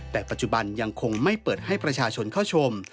แต่ปัจจุบันยังคงไม่เปิดให้ประชาชนเข้าชม